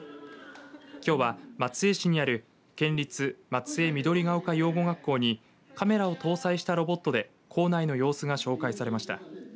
きょうは、松江市にある県立松江緑が丘養護学校にカメラを搭載したロボットで校内の様子が紹介されました。